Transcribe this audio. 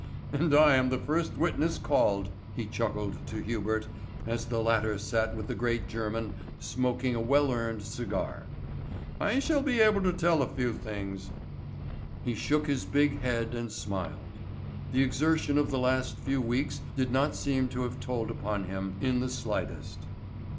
"And I am the first witness called," he chuckled to Hubert as the latter sat with the great German smoking a well earned cigar. "I shall be able to tell a few things." He shook his big head and smiled. The exertion of the last few weeks did not seem to have told upon him in the slightest.